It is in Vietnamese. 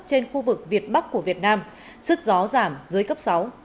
trên khu vực việt bắc của việt nam sức gió giảm dưới cấp sáu